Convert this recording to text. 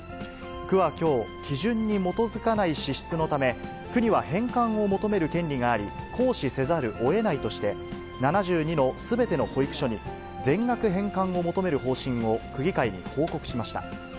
区はきょう、基準に基づかない支出のため、区には返還を求める権利があり、行使せざるをえないとして、７２のすべての保育所に全額返還を求める方針を区議会に報告しました。